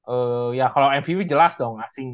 ee ya kalau mvp jelas dong asing